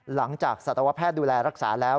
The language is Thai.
จากสัตวแพทย์ดูแลรักษาแล้ว